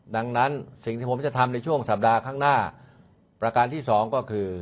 ดังนั้นสิ่งที่ผมจะทำในช่วงสัปดาห์ข้างหน้าประการที่สองก็คือ